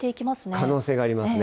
可能性がありますね。